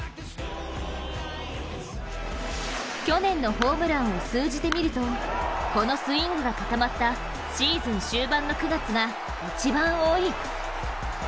去年のホームランを数字で見るとこのスイングが固まったシーズン終盤の９月が一番多い。